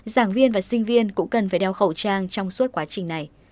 giảng viên và sinh viên cũng cần phải đeo khẩu trang trong suốt quá trình này